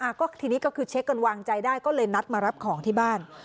ทีนี้ก็คือเช็คกันวางใจได้ก็เลยนัดมารับของที่บ้าน